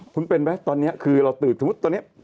คุณเป็นไหมตอนนี้คือเราตื่นสมมุติตอนนี้